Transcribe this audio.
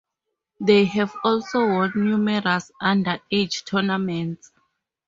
They have also won numerous underage tournaments.